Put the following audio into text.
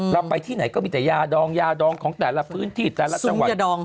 เราไปที่ไหนก็มีแต่ยาดองยาดองของแต่ละพื้นที่แต่ละจังหวัด